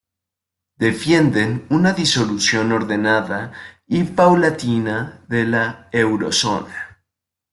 Defienden una disolución ordenada y paulatina de la Eurozona.